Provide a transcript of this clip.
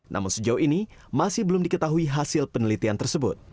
namun sejauh ini masih belum diketahui hasil penelitian tersebut